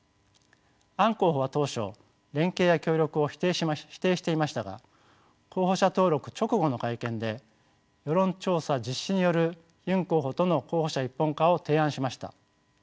アン候補は当初連携や協力を否定していましたが候補者登録直後の会見で世論調査実施によるユン候補との候補者一本化を提案しました。